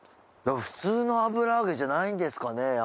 普通の油揚げじゃないんですかね。